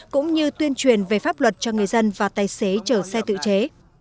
cũng như tuyên truyền về pháp luật cho người dân và tài xế chở xe tự chế